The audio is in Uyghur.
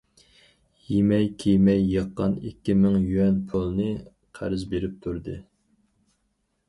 يېمەي- كىيمەي يىغقان ئىككى مىڭ يۈەن پۇلىنى قەرز بېرىپ تۇردى.